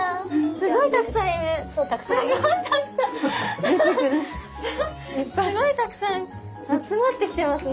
すごいたくさん。